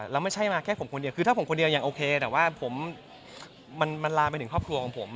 แล้วไม่ใช่มาแค่ผมคนเดียวคือถ้าผมคนเดียวยังโอเคแต่ว่าผมมันลามไปถึงครอบครัวของผม